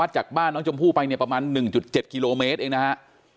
จากบ้านน้องชมพู่ไปเนี่ยประมาณ๑๗กิโลเมตรเองนะฮะ